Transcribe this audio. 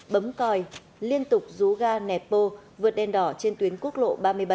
bấm còi liên tục rú ga nẹp bô vượt đèn đỏ trên tuyến quốc lộ ba mươi bảy